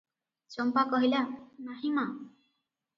ଚମ୍ପା କହିଲା, "ନାହିଁ ମା!